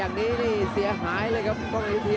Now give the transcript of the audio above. อันนี้นี่เสียหายเลยครับบองอีเซีย